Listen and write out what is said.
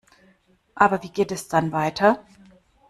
Aber wie geht es dann weiter?